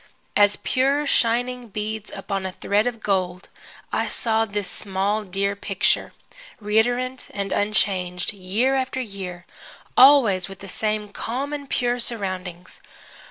As pure shining beads upon a thread of gold I saw this small, dear picture, reiterant and unchanged, year after year, always with the same calm and pure surroundings.